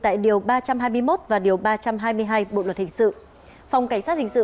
tại điều ba trăm hai mươi một và điều ba trăm hai mươi hai bộ luật hình sự